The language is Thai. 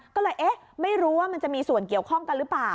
ก็เลยเอ๊ะไม่รู้ว่ามันจะมีส่วนเกี่ยวข้องกันหรือเปล่า